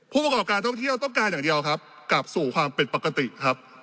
ผู้ประกอบการท่องเที่ยวต้องการอย่างเดียวครับกลับสู่ความเป็นปกติครับ